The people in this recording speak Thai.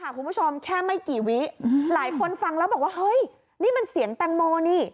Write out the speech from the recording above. คุณผู้ชมแค่ไม่กี่วิหลายคนฟังแล้วบอกว่าเฮ้ยนี่มันเสียงแตงโมนี่